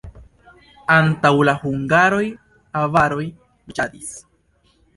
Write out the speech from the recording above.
Antaŭ la hungaroj avaroj loĝadis.